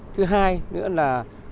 thứ hai nữa là